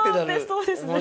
そうですね。